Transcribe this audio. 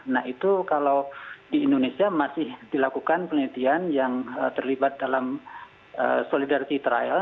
nah itu kalau di indonesia masih dilakukan penelitian yang terlibat dalam solidarity trial